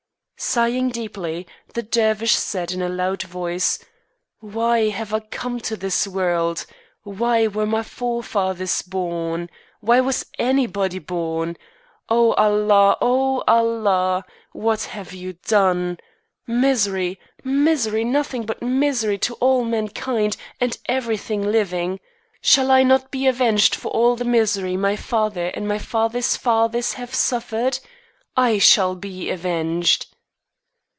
Sighing deeply, the Dervish said in a loud voice, "Why have I come into this world? Why were my forefathers born? Why was anybody born? Oh, Allah! Oh, Allah! What have you done! Misery! Misery! Nothing but misery to mankind and everything living. Shall I not be avenged for all the misery my father and my father's fathers have suffered? I shall be avenged."